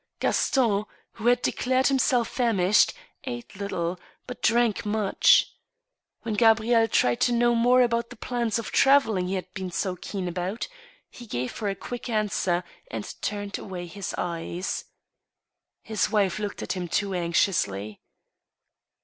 Gaston, who had declared himself famished, ate little, but drank much. When Gabrielle tried to know more about the plans of traveling he had been so keen about, he gave her a quick answer, and turned away his eyes. His wife looked at him too anxiously.